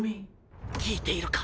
聞いているか？